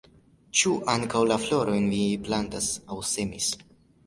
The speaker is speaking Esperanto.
Ĉu ankaŭ la florojn vi plantis aŭ semis?